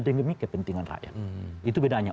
demi kepentingan rakyat itu bedanya